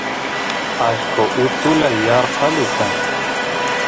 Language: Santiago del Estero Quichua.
ashqo utula yarqalu kan